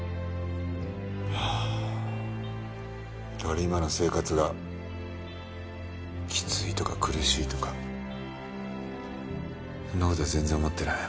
だから今の生活がきついとか苦しいとかそんな事は全然思ってない。